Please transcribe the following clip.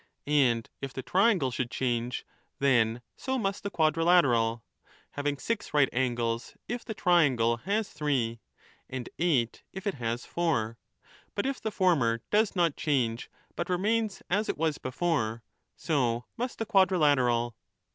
And if the triangle should change, then so must 35 the quadrilateral, having six right angles if the triangle has three, and eight if it has four : but if the former does not change but remains as it was before, so must the quadri lateral.